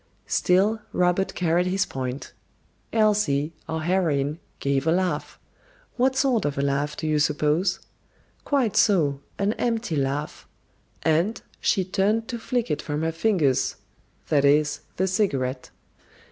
Still, Robert carried his point. Elsie, our heroine, gave a laugh. What sort of a laugh, do you suppose? Quite so, "an empty laugh," and "she turned to flick it from her fingers"; that is, the cigarette.